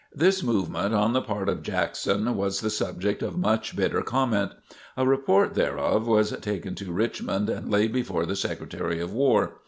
This movement on the part of Jackson was the subject of much bitter comment. A report thereof was taken to Richmond and laid before the Secretary of War.